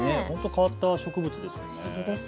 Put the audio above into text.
変わった植物ですね。